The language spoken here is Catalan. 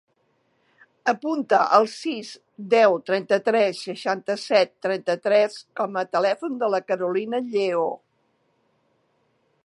Apunta el sis, deu, trenta-tres, seixanta-set, trenta-tres com a telèfon de la Carolina Lleo.